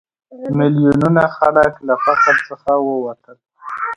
میلیونونه خلک له فقر څخه ووتل.